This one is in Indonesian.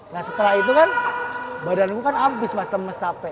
nah setelah itu kan badanku kan hampir semestinya capek